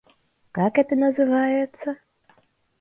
Как это называется?